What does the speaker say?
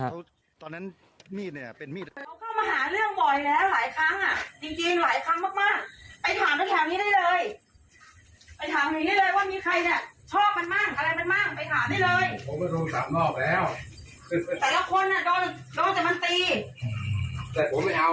อ้าวทีนี้นอกจากเจ้าของบ้านบอกแล้วเนี่ยนะฮะ